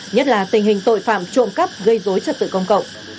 nhất là tình hình tội phạm trộm cắp gây dối trật tự công cộng